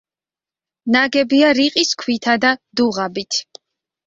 ნაგებია რიყის ქვითა და დუღაბით.